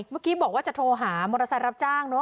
เมื่อกี้บอกว่าจะโทรหามอเตอร์ไซค์รับจ้างเนอะ